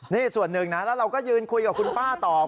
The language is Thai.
นี่ส่วนหนึ่งนะแล้วเราก็ยืนคุยกับคุณป้าท่านนี้หน่อยนะฮะ